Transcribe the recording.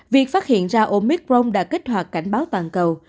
việc phát hiện ra omicron đã kích hoạt cảnh báo toàn cầu